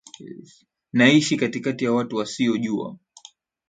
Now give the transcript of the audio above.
Naishi katikati ya watu wasiojua